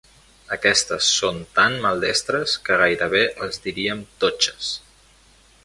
Aquestes són tan maldestres que gairebé els diríem totxes.